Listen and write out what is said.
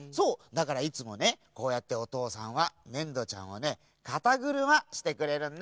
だからいつもねこうやっておとうさんはねんどちゃんをねかたぐるましてくれるんだ！